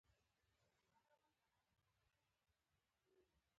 ملک صاحب تل پرېوتو ته لاس ورکړی.